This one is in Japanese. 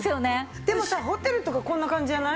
でもさホテルとかこんな感じじゃない？